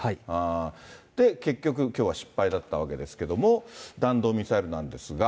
結局、きょうは失敗だったわけですけれども、弾道ミサイルなんですが。